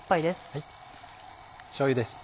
しょうゆです。